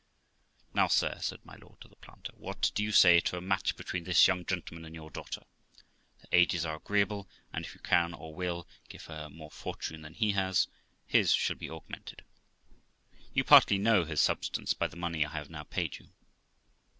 'Now, sir', said my lord to the planter, 'what do you say to a match between this young gentleman and your daughter? Their ages are agreeable, and, if you can, or will, give her more fortune than he has, his shall be augmented. You partly know his substance, by the money I have now paid you.'